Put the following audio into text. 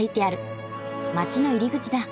街の入り口だ。